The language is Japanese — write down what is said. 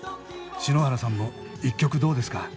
篠原さんも１曲どうですか？